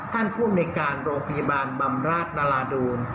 ท่านผู้ในการโรงพยาบาลบำราชนาราดูน